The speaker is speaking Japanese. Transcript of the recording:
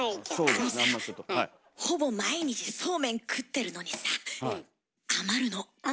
あのさほぼ毎日そうめん食ってるのにさ余るの。